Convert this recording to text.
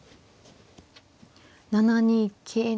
７二桂成。